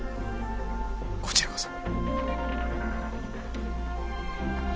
こちらこそ。